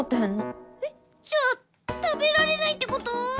えっじゃあ食べられないってこと？